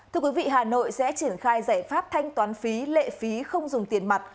thưa quý vị hà nội sẽ triển khai giải pháp thanh toán phí lệ phí không dùng tiền mặt